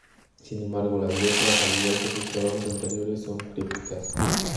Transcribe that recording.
Sin embargo, las letras, al igual que sus trabajos anteriores, son crípticas.